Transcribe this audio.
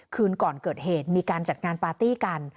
คืนก่อนเกิดเหตุมีการจัดงานปาร์ตี้กัน